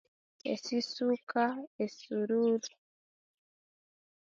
Esisuka esururu